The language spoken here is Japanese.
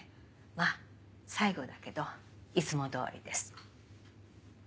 まぁ最後だけどいつも通りです。